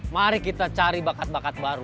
mari kita cari bakat bakat baru